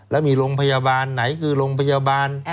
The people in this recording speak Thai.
แล้วมีโรงพยาบาลไหนคือโรงพยาบาล